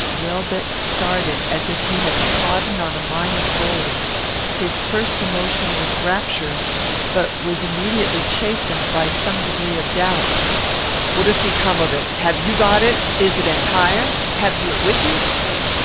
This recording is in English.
Welbeck started as if he had trodden on a mine of gold. His first emotion was rapturous, but was immediately chastened by some degree of doubt: "What has become of it? Have you got it? Is it entire? Have you it with you?"